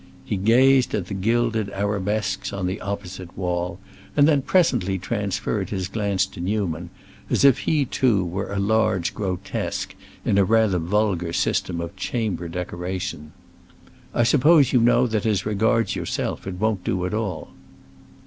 He gazed at the gilded arabesques on the opposite wall, and then presently transferred his glance to Newman, as if he too were a large grotesque in a rather vulgar system of chamber decoration. "I suppose you know that as regards yourself it won't do at all."